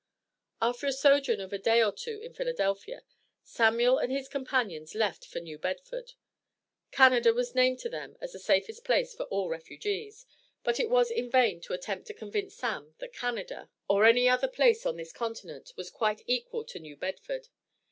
After a sojourn of a day or two in Philadelphia, Samuel and his companions left for New Bedford. Canada was named to them as the safest place for all Refugees; but it was in vain to attempt to convince "Sam" that Canada or any other place on this Continent, was quite equal to New Bedford.